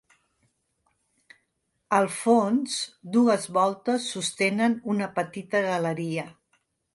Al fons, dues voltes sostenen una petita galeria.